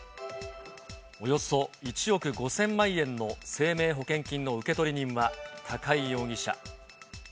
およそ１億５０００万円の生命保険金の受取人は高井容疑者。